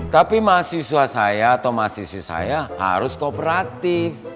tapi mahasiswa saya atau mahasiswi saya harus kooperatif